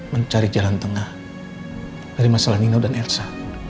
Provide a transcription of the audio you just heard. mencari jalan tengah dari masalah nino dan ersa